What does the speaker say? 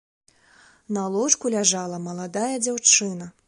На ложку ляжала маладая дзяўчына.